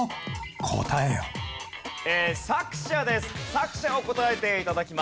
作者を答えて頂きます。